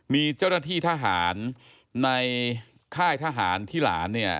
มีเจ้าหน้าที่ทหารในค่ายทหารที่หลานเนี่ย